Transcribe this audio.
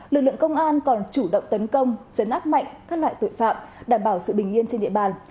lực lượng công an còn chủ động tấn công chấn áp mạnh các loại tội phạm đảm bảo sự bình yên trên địa bàn